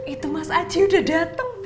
itu mas aci udah dateng bu